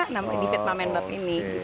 namanya di fitma menbab ini